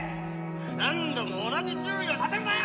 何度も同じ注意をさせるなー！